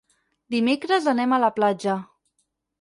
Dimecres anem a la platja.